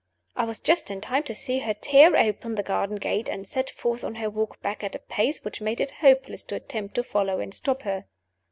I was just in time to see her tear open the garden gate, and set forth on her walk back at a pace which made it hopeless to attempt to follow and stop her.